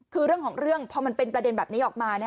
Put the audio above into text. คือเรื่องของเรื่องพอมันเป็นประเด็นแบบนี้ออกมา